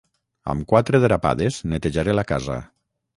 Amb quatre drapades netejaré la casa.